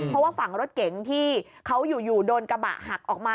เพราะว่าฝั่งรถเก๋งที่เขาอยู่โดนกระบะหักออกมา